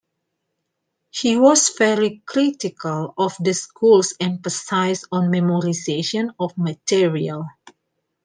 He was very critical of the school's emphasis on memorization of material.